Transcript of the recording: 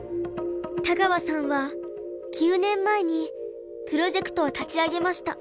田川さんは９年前にプロジェクトを立ち上げました。